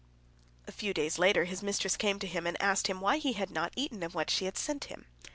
A few days later his mistress came to him, and asked him why he had not eaten of what she had sent him.